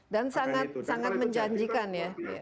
dan sangat menjanjikan ya